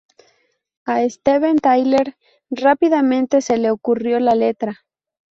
A Steven Tyler rápidamente se le ocurrió la letra.